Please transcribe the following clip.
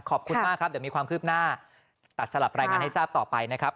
ขอบคุณมากครับเดี๋ยวมีความคืบหน้าตัดสลับรายงานให้ทราบต่อไปนะครับ